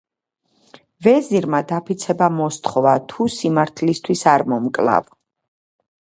ვეზირმა დაფიცება მოსთხოვა: თუ სიმართლისთვის არ მომკლავ,